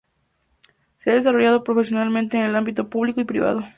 Se ha desarrollado profesionalmente en el ámbito público y privado.